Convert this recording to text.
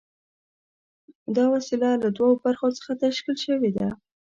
دا وسیله له دوو برخو څخه تشکیل شوې ده.